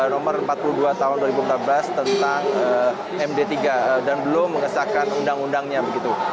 nomor empat puluh dua tahun dua ribu empat belas tentang md tiga dan belum mengesahkan undang undangnya begitu